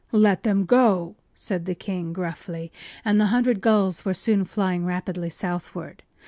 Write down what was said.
” “Let them go!” said the king, gruffly. And the hundred gulls were soon flying rapidly southward.